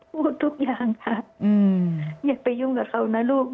พูดทุกอย่างค่ะอย่าไปยุ่งกับเขานะลูก